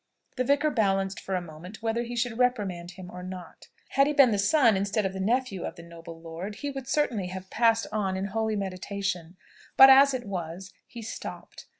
The vicar balanced for a moment whether he should reprimand him or not. Had he been the son, instead of the nephew of the noble lord, he would certainly have passed on in holy meditation, but, as it was, he stopped.